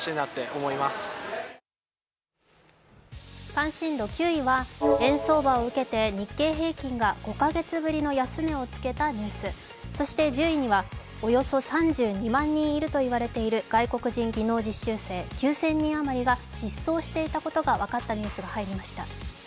関心度９位は円相場を受けて日経平均が５か月ぶりの安値をつけたニュース、そして１０位にはおよそ３２万人いるといわれている外国人技能実習生９０００人余りが失踪していることが分かったニュースが入りました。